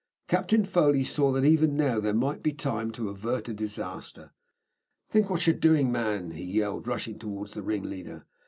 Captain Foley saw that even now there might be time to avert a disaster. "Think what you are doing, man," he yelled, rushing towards the ringleader.